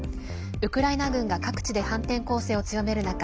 ウクライナ軍が各地で反転攻勢を強める中